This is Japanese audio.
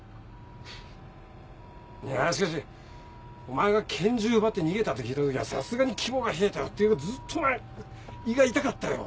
フッいやしかしお前が拳銃奪って逃げたって聞いた時はさすがに肝が冷えたよっていうかずっとな胃が痛かったよ。